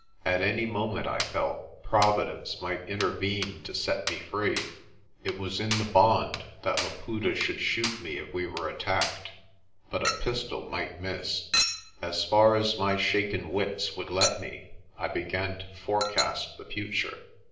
At any moment, I felt, Providence might intervene to set me free. It was in the bond that Laputa should shoot me if we were attacked; but a pistol might miss. As far as my shaken wits would let me, I be gan to forecast the future.